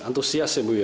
antusias ya bu ya